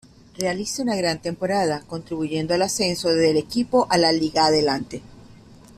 Realiza una gran temporada, contribuyendo al ascenso del equipo a la Liga Adelante.